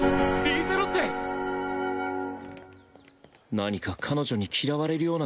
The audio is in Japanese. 何か彼女に嫌われるようなことを